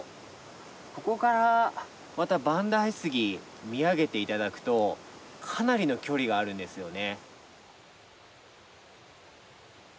ここからまた万代杉見上げて頂くとかなりの距離があるんですよね。